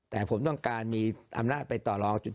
แต่ผมต้องการมีอำนาจไปต่อรองจุด